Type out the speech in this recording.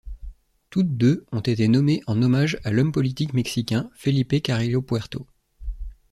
Toutes deux ont été nommées en hommage à l'homme politique mexicain Felipe Carrillo Puerto.